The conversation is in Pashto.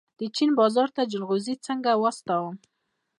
د چین بازار ته جلغوزي څنګه واستوم؟